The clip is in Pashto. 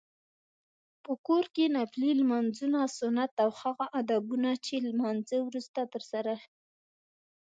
په کور کې نفلي لمونځونه، سنت او هغه ادبونه چې له لمانځته وروسته ترسره